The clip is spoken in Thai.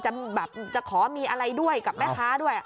แบบจะขอมีอะไรด้วยกับแม่ค้าด้วย